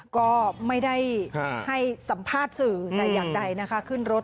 ก็ไม่ได้ให้สัมภาษณ์สื่อแต่อย่างใดนะคะขึ้นรถ